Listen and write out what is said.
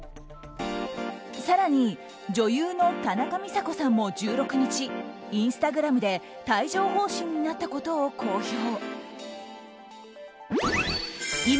更に、女優の田中美佐子さんも１６日インスタグラムで帯状疱疹になったことを公表。